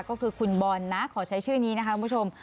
ก็คือคุณบอลนะขอใช้ชื่อนี้นะคะคุณผู้ชม